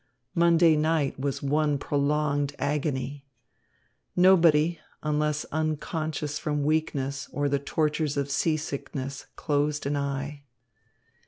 Monday night was one prolonged agony. Nobody, unless unconscious from weakness or the tortures of seasickness, closed an eye.